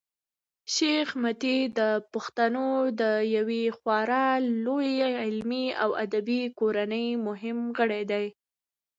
شېخ متي د پښتنو د یوې خورا لويي علمي او ادبي کورنۍمهم غړی دﺉ.